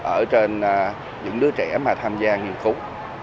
ở trên những đứa trẻ mà tham gia nghiên cứu